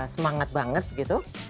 semangat banget gitu